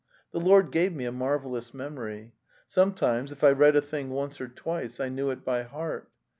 The Lord gave me a marvellous memory. Sometimes, if I read a thing once or twice, I knew it by heart.